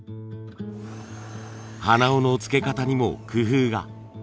鼻緒の付け方にも工夫が。